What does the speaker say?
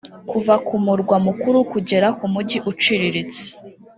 kuva ku murwa mukuru kugera ku mujyi uciriritse